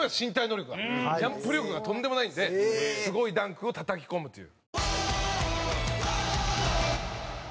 ジャンプ力がとんでもないんですごいダンクをたたき込むという。